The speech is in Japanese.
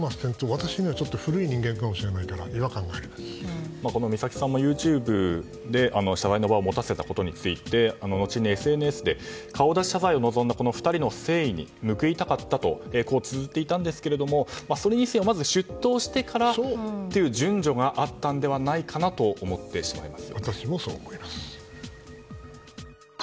私は古い人間ですからこの三崎さんはＹｏｕＴｕｂｅで謝罪の場を持たせたことについて後にＳＮＳで顔出し謝罪を望んだ２人の誠意に報いたかったとつづっていたんですけれどもそれにしてもまず出頭してからという順序があったのではないかと思ってしまいます。